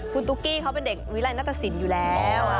คุณตุ๊กกี้เขาเป็นเด็กวิรัยนัตตสินอยู่แล้ว